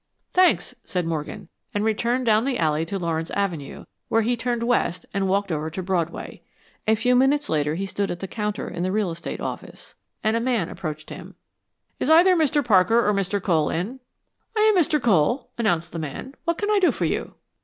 "Thanks," said Morgan, and returned down the alley to Lawrence Avenue where he turned west and walked over to Broadway. A few minutes later he stood at the counter in the real estate office, and a man approached him. "Is either Mr. Parker or Mr. Cole in?" "I am Mr. Cole," announced the man. "What can I do for you?"